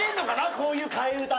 こういう替え歌。